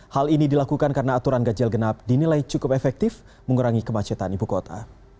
hal ini dilakukan karena aturan ganjil genap dinilai cukup efektif mengurangi kemacetan ibu kota